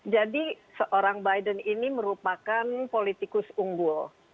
jadi seorang biden ini merupakan politikus unggul